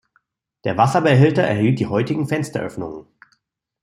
Der Wasserbehälter erhielt die heutigen Fensteröffnungen.